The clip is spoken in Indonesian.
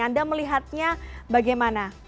anda melihatnya bagaimana